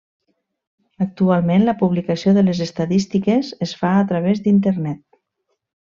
Actualment la publicació de les estadístiques es fa a través d'Internet.